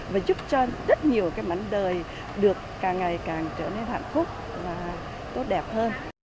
và giúp cho rất nhiều cái mảnh đời được càng ngày càng trở nên hạnh phúc và tốt đẹp hơn